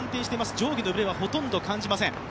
上下のブレがほとんど感じません。